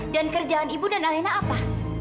kerjaan ibu dan alena apa